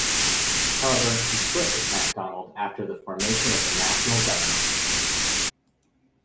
However, he split with MacDonald after the formation of the National Government.